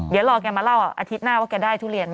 เดี๋ยวรอแกมาเล่าอาทิตย์หน้าว่าแกได้ทุเรียนไหม